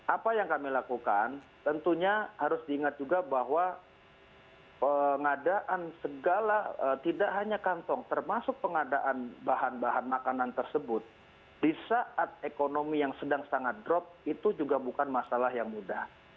apa yang kami lakukan tentunya harus diingat juga bahwa pengadaan segala tidak hanya kantong termasuk pengadaan bahan bahan makanan tersebut di saat ekonomi yang sedang sangat drop itu juga bukan masalah yang mudah